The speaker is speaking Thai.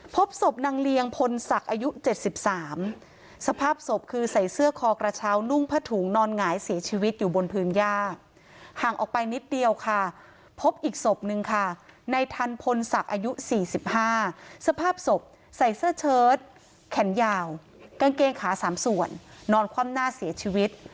พบศพนางเลียงพลศักดิ์อายุ๗๓สภาพศพคือใส่เสื้อคอกระเช้านุ่งผ้าถุงนอนหงายเสียชีวิตอยู่บนพื้นย่าห่างออกไปนิดเดียวค่ะพบอีกศพนึงค่ะในทันพลศักดิ์อายุ๔๕สภาพศพใส่เสื้อเชิดแขนยาวกางเกงขา๓ส่วนนอนคว่ำหน้าเสียชีวิต